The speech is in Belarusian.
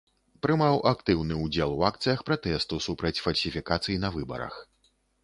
Прымаў актыўны ўдзел у акцыях пратэсту супраць фальсіфікацый на выбарах.